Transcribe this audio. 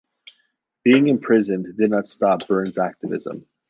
Being imprisoned did not stop Burns' activism.